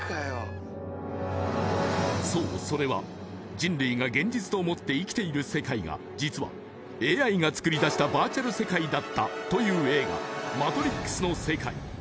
そうそれは人類が現実と思って生きている世界が実はＡＩがつくり出したバーチャル世界だったという映画「マトリックス」の世界